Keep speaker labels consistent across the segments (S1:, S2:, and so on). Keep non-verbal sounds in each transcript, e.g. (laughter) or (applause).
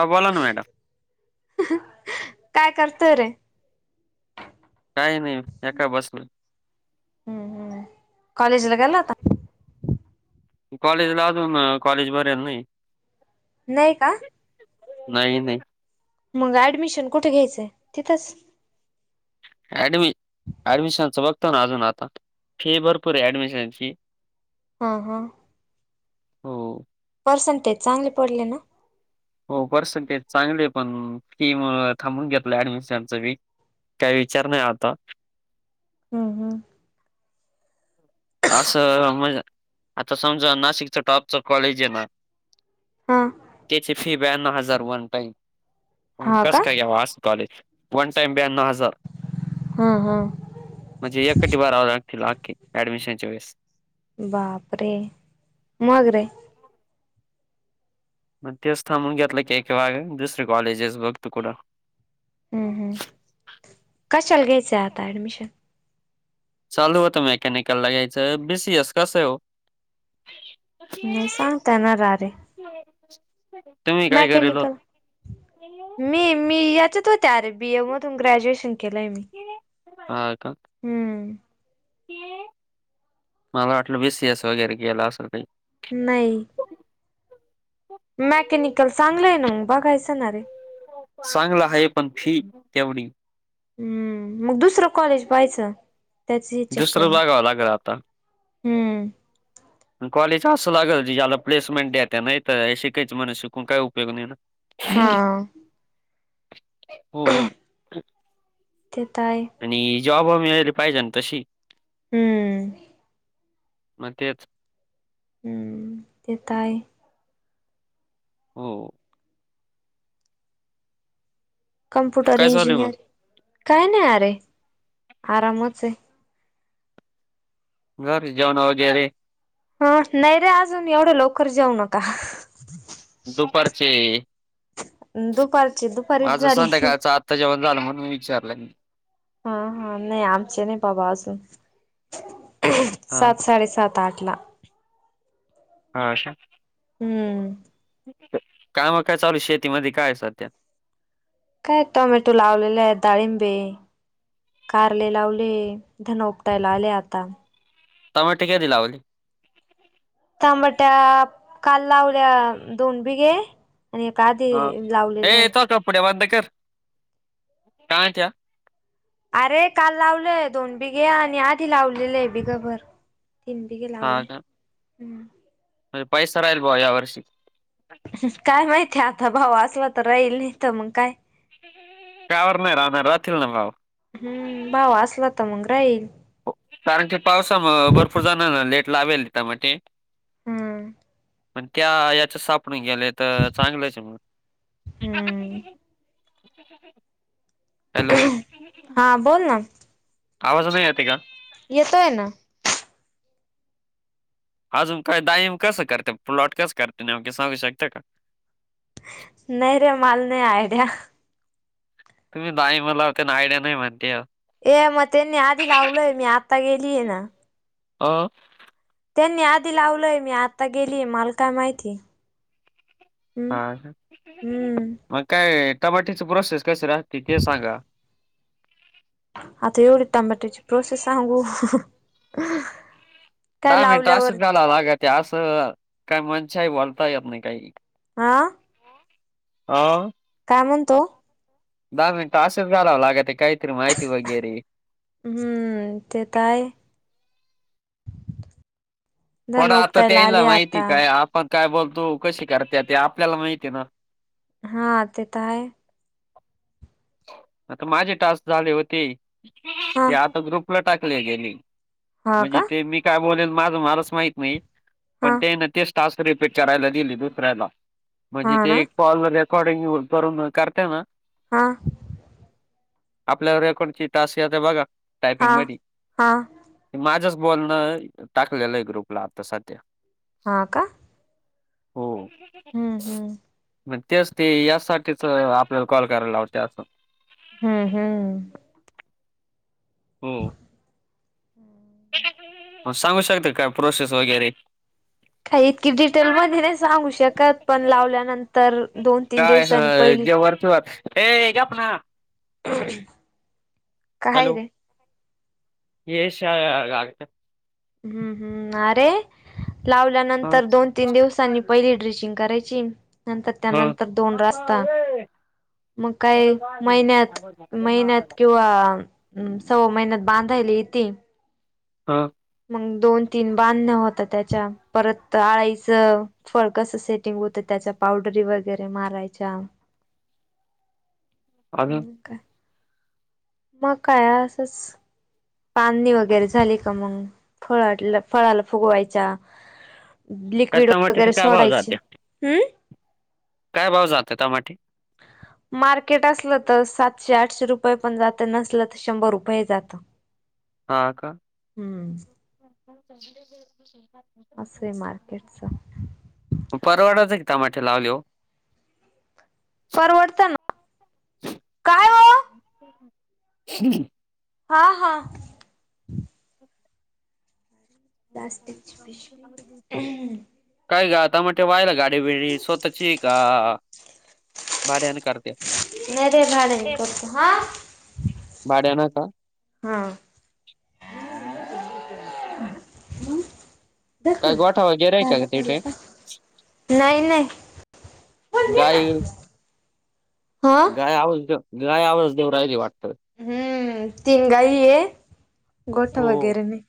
S1: हो बोला ना मॅडम,
S2: काय करतय रे
S1: काही नाही हे काय बसलं.
S2: हम्म हम्म कॉलेज ला गेलाता.
S1: कॉलेजला अजून कॉलेज भरल नाही.
S2: नाही का
S1: नाही नाही
S2: मग ऍडमिशन कुठे घ्यायचंय तिथंच.
S1: ऍडमिशन ऍडमिशनचं बघतो ना अजून आता फी भरपूर आहे ऍडमिशन फी
S2: हा हा
S1: हो
S2: पर्सेंटेज चांगले पडले ना?
S1: हो पर्सेंटेज चांगले पण फी मुळे थांबून घेतला ऍडमिशनच मी काही विचार नाही आता
S2: हम् हम
S1: असं म्हज आता समजा नाशिकच टॉपच कॉलेज आहे ना
S2: हा
S1: त्याची फी ब्याननव हजार वन टाइम
S2: हा का?
S1: कस काय घ्यावा कॉलेज वन टाईम ब्याना हजार
S2: हा हा
S1: म्हणजे एक खट्टी भरावे लागतील ऍडमिशन च्या वेळेस
S2: बापरे मग रे
S1: म ते स्था म्हून घेतला कवाग दुसरे कॉलेजेस बघत कुड
S2: हम्म हम्म कस चलगेच आता डमिशन
S1: चालू होत मेकॅनिकल लगायचे बीसीएस कसे हो
S2: नाही सांगताय ना र रे
S1: हो
S2: मॅकॅनिकल मी मी याच्यात होत अरे बीए मधून ग्रॅज्युएशन केलंय मी
S1: हा का
S2: हम्म
S1: मला वाटलं बीसस वगैरे गेला असं काही
S2: नाही मॅकॅनिकल चांगलं आहे ना मग बघायचं ना रे
S1: चांगलं आहे पण फी तेवढ
S2: हम्म मग दुसरं कॉलेज पहायचं
S1: दुसर बागाव लाग रा आता
S2: हम्म
S1: कॉलेज असं लागेल जी ज्याला प्लेसमेंट द्या नाही तर शिकायच म्हण शिकून काय उपयोग नाही ना
S2: हा
S1: हो हो
S2: तेेतय
S1: आणि जॉबे पाहिजे ना तशी
S2: हम्म
S1: म तेच
S2: तेेतय
S1: हो
S2: कम्प्युटर
S1: काय चालू आहे
S2: इंजिनिअर
S1: मग?
S2: काय नाही अरे आरामच आहे
S1: घर जेवण वगैरे
S2: ह नाही रे अजून एवढं लवकर जाऊ नका
S1: दुपारचे
S2: दुपारचे दुपारीच झाले
S1: त्याच्याब झालं म्हण मी विचारलंय
S2: हा हा नाही आमचे नाही बाबा अजून
S1: हा
S2: सात साडे सात आठ लाख
S1: ह अशा
S2: हम्म
S1: काम काय चालू शेतीमध्ये काय सध्या
S2: काय टमेटो लावलेलाय दाडीिम बी कारले लावले धन उपटायला आले आता
S1: तम टिके दिला ब
S2: तांबट्या काल लावल्या दोन बिघे आणि आधी लावलेलं आहे
S1: कढ वाध कर काय त्या
S2: अरे काल लावलंय दोन बिघे आणि आधी लावलेले आहे बिघंभर तीन बघे लावले हम्म
S1: लय पाऊस नाही या वर्षी
S2: काय माहिती आता भाऊ असला, तर राहील नाही तर मग काय?
S1: (inaudible)
S2: हम्म भाऊ असला तर मग राहील.
S1: कारण की पावसामधे भरपूर जण लेट लावेल त्यामध्ये
S2: हम्म
S1: मण त्या याच्या सापणून गेले तर चांगलंच मग
S2: हम्म.
S1: हॅलो
S2: हां बोल ना
S1: आवाज नाही येते का
S2: येतोय ना.
S1: अजून काय टाईम कसं करता प्लॉट कस करता नेमक सांगू शकते का?
S2: नाही रे मला नाही आयड्या
S1: तुम्ही नाही मला का आयड्या नाही म्हणत्या.
S2: ये मग त्यांनी आधी लावलय, मी आता गेली आहे ना.
S1: हां
S2: त्यांनी आधी लावलंय मी आता, गेलीय मला काय माहिती हम्म
S1: हा,
S2: हम्म.
S1: मग काय टमाट्याची प्रोसेस कशी राहते ते सांगा?
S2: आता एवढी टोमॅटोची प्रोसेस सांगू? काय
S1: दहा मिनिटं
S2: लावल्यावर
S1: असेच घालावा लागत, असं काही मनशाही बोलता येत नाही काही.
S2: हा
S1: हां
S2: काय म्हणतो?
S1: दहा मिनट असेच घालावं लागत काहीतरी माहिती वगैरे
S2: हम्म तेे तर आहे. धन
S1: थोडं आता
S2: उपटायला आले
S1: केलं नाही की
S2: आता
S1: काय, आपण काय बोलतो कशी करत्या ते आपल्याला माहितीय ना.
S2: हा ते तर आहे.
S1: आता माझे टास्क झाले होते,
S2: हा
S1: की आता ग्रुपला टाकले गेले.
S2: हा
S1: म्हणजे
S2: का
S1: ते मी काय बोलेल माझं मलाच माहित नाही.
S2: हा
S1: पण ते ना तेच टास्क रिपीट करायला दिली की दुसऱ्याला
S2: हा
S1: म्हणजे
S2: ना
S1: ते कॉलवर रेकॉर्डिंग करून करत्या ना.
S2: हा.
S1: आपल्या रेकॉर्डची टास्क येते बघा टायपिंग
S2: हा
S1: मध्ये
S2: हा
S1: माझंच बोलणं टाकलेलं आहे, ग्रुपला आता साध्या.
S2: हां का?
S1: हो.
S2: हम्म हम्म.
S1: मग तेच ते यासाठीच तर आपल्याला कॉल करायला लावतात.
S2: हम् हम्.
S1: हो
S2: हम्म
S1: मग सांगू शकता का प्रोसेस वगैरे
S2: काही इतकी डिटेल मध्ये नाही सांगू शकत, पण लावल्यानंतर दोन तीन दिवस
S1: आ जेवायचं आता ए गप ना
S2: हम काय रे
S1: एशिगत (unintelligible)
S2: हम्म हम्म अरे लावल्यानंतर
S1: ह
S2: दोन तीन दिवसांनी पहिली ड्रिचिंग करायची. नंतर त्यानंतर दोन रास्ता मग काय महिन्यात महिन्यात किंवा हम्म सव्वा महिन्यात बांधायला येते.
S1: हां
S2: मग दोन तीन बांधण होत त्याच्या परत आळीच फळ कसं सेटिंग होतं त्याच्यावर पावडरी वगैरे मारायच्या
S1: (unintelligible)
S2: हम् का मग काय असच, पाहनी वगैरे झाली का मग फळातल, फळाला फुगवायच्या
S1: काय
S2: लिक्विड
S1: टमाट्याचे
S2: वगैरे
S1: काय भाव
S2: सोडायचे.
S1: जाते
S2: हम्म
S1: काय भाव जाते टमाटे
S2: मार्केट असलं तर सातशे आठशे रुपये पण जात नसल तर शंभर रुपये जात (inaudible)
S1: हा का
S2: हम्म. असं आहे मार्केटच
S1: मग परवडते की टमाटे लावल्यावर
S2: परवडतं ना काय हो
S1: हम्
S2: हा हा प्लास्टिकची पिशवी
S1: काय गता म ते वा्हायला गाडी बिडी स्वतःची का भाड्याने करते
S2: नाही रे भाड्याने करतो
S1: भाड्यान का
S2: हा धर
S1: काय
S2: फुल.
S1: गोठा वगैरे आहे
S2: धागा
S1: का
S2: पडला
S1: तीथे
S2: नाही नाही. फुल घे ना.
S1: गाई
S2: हा
S1: गाय आवाज गाय आवाज देउ राहिली वाटतं
S2: हम्म तीन गायी ये गोठा
S1: हो.
S2: वगैरे नाही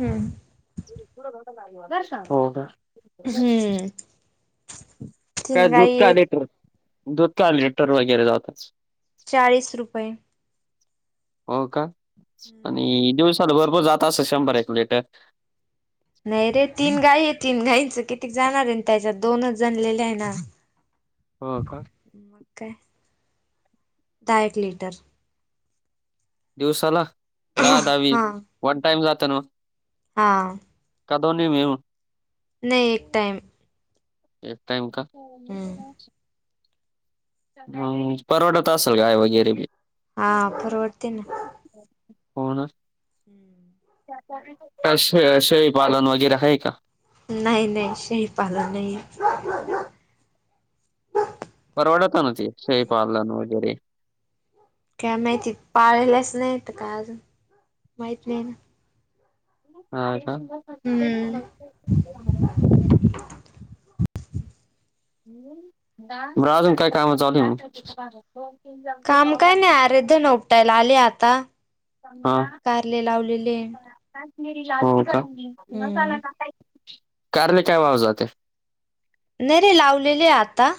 S2: हम्म
S1: (inaudible)
S2: हम्म
S1: काय
S2: तीन
S1: दूध
S2: गाई
S1: काय
S2: आहेत
S1: लीटर दूध काय लीटर वगैरे जात
S2: चाळीस रुपये
S1: हो का
S2: हम्म.
S1: आणि दिवसाला भरपूर जात असल शंभर एक लिटर
S2: नाही रे तीन गाई आहे तीन गाईंचं कितीक जाणार आहे त्याच्यात दोनच जणलेले आहे ना
S1: हो का
S2: मग काय दहा एक लिटर
S1: दिवसाला दहा दहावी
S2: हा
S1: वन टाईम जात ना
S2: हा
S1: का दोन्ही मिळून
S2: नाही एक टाइम
S1: एक टाइम का
S2: हम्म
S1: ह परवडत असल गाय वगैरे बी
S2: हा परवडते ना
S1: हो ना
S2: हम्म
S1: असे शेळीपालन वगैरे आहे का
S2: नाही नाही शेळीपालन नाही
S1: परवडत ना ते शेळीपालन वगैरे
S2: काय माहिती पाळलाच नाहीत का अजून माहीत नाही ना
S1: ह का
S2: हम्म (unintelligible)
S1: अजून काय काम चालू आहेत
S2: काम काय नाही आरेध्य न उवटायला आले आता
S1: हा.
S2: कारले लावलेले हम्म
S1: कारने काय वाव जाते
S2: नाही रे लावलेले आहे आता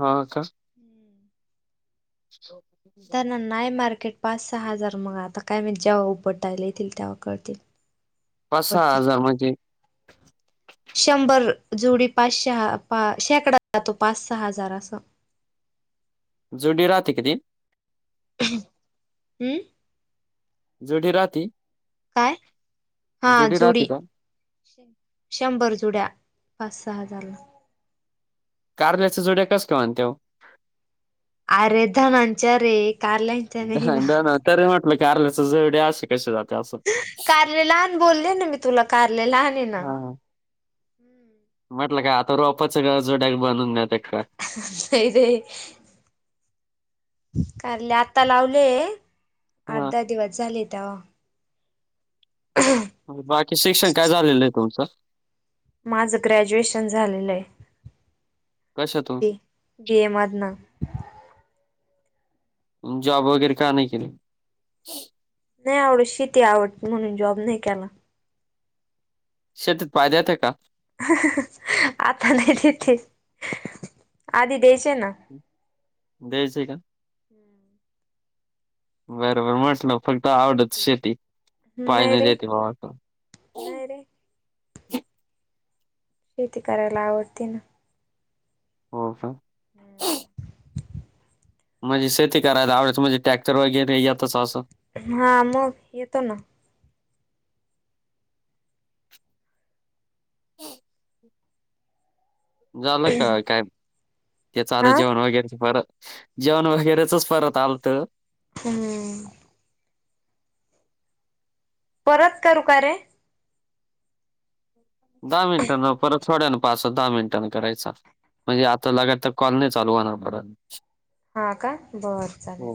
S1: हा का
S2: हम्म
S1: (unintelligible)
S2: दना नाही मार्केट पाच सहा हजार मग आता काय म्ह जेव्हा उपटायला येतील तेव्हा कळतील
S1: पाच सहा
S2: उपटतील.
S1: हजार म्हणजे
S2: शंभर जोडी पाचशहा पा शेकडा जातो पाच सहा हजार असं
S1: जुडी राात क दिन
S2: हम्म
S1: जेढी राात
S2: काय हा जुडी
S1: राहते का?
S2: शंभर जुड्या पाच सहा हजारला
S1: कार्ल्याच्या जोड्या कस का म्हनते
S2: अरेधनांच्या रे कालाय
S1: द तरी म्हटलं की आरल्याच जवडे असे कशी जाते असं
S2: कार्यालन बोलले निमित्त तुला कारले लान ना
S1: हा. म्हटलं काय आता रोपाच गरजोड्याग बनवून घ्या
S2: नाही ते काले आता लावले आठ
S1: हा.
S2: दहा दिवस झाले त्या
S1: बाकी शिक्षण काय झालेलं आहे तुमचं
S2: माझं ग्रॅज्युएशन झालेलं आहे
S1: कशातून?
S2: बी बीएमधन
S1: जॉब वगैरे का नाही केले
S2: नाही आवडत शेती आवड म्हणून जॉब नाही केला
S1: शेतीत फायदा येते का
S2: आता नाही देते आधी द्यायचे ना
S1: द्यायचं आहे का बरोबर म्हटलं फक्त आवडत शेती पाय नाही देते बाबा
S2: नाही रे शेती करायला आवडते ना
S1: हो हो
S2: हम्म
S1: म्हणजे शेती करायला आवडत म्हणजे ट्रॅक्टर वगैरे याेतातच असं
S2: हा मग येतो ना
S1: झालं का काय ते चालं
S2: हा
S1: जेवण वगैरे पर जेवण वगैरेचच परत आलत
S2: हम्म परत का रुकार रे
S1: दहा मिनिटां न परत थोड्या ना पाच दहा मिनिटां करायचा म्हणजे आता लगत तर कॉलने चालू होणार बर
S2: हा का बत चाले